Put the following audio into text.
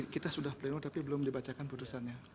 kita sudah pleno tapi belum dibacakan putusannya